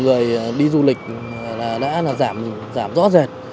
người đi du lịch đã giảm rõ rệt